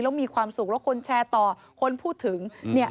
แล้วมีความสุขแล้วคนแชร์ต่อคนพูดถึงเนี่ย